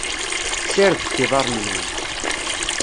Ssiredet iḍarren-nwen.